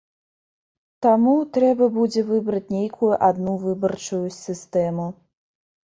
Таму, трэба будзе выбраць нейкую адну выбарчую сістэму.